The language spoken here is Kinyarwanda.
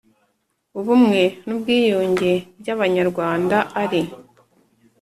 Ubumwe n’ubwiyunge by’abanyarwanda ari